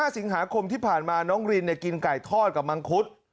สิงหาคมที่ผ่านมาน้องรินกินไก่ทอดกับมังคุด